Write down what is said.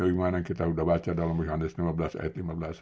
yang dimana kita sudah baca dalam yohanes lima belas ayat lima belas